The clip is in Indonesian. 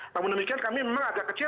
namun demikian kami memang ada keputusan